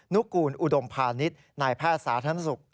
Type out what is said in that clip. นุกูลอุดมพาณิชย์นายแพทย์สาธารณสุข